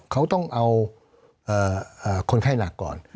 เขาต้องเอาคนไข้หลักก่อน